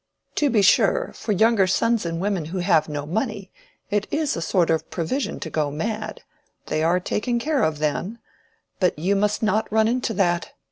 To be sure, for younger sons and women who have no money, it is a sort of provision to go mad: they are taken care of then. But you must not run into that.